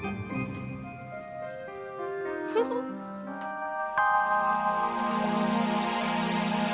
maksudnya semua kaki keluar